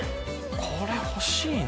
これ欲しいな。